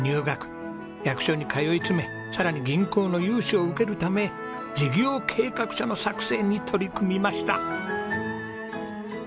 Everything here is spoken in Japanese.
役所に通い詰めさらに銀行の融資を受けるため事業計画書の作成に取り組みました。